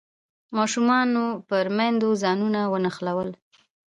ماشومانو پر میندو ځانونه ونښلول.